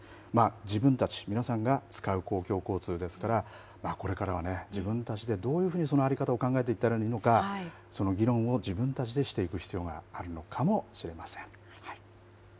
自分たち、皆さんが使う公共交通ですからこれからはね、自分たちでどのようにその在り方を考えていったらいいのかその議論を自分たちでしていく必要があるのかもしれません。